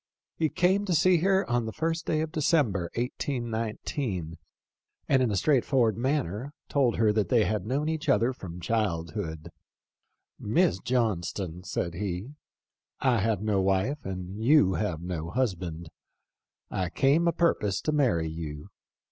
"He came to see her on the first day of December, 1819, and in a straightforward manner told her that they had known each other from childhood. ^ Miss John ston,' said he, ' I have no wife and you no husband. I came a purpose to marry you.